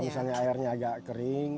misalnya airnya agak kering